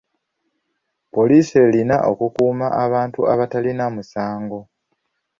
Poliisi erina okukuuma abantu abatalina musango.